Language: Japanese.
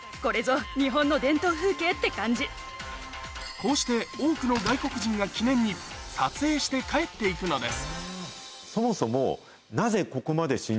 こうして多くの外国人が記念に撮影して帰っていくのですそもそも。